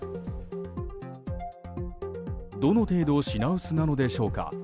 どの程度品薄なのでしょうか。